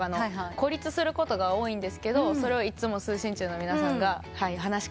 孤立することが多いんですけどそれをいつも四星球の皆さんが話し掛けてくれて。